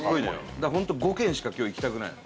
だから本当５軒しか今日行きたくないの。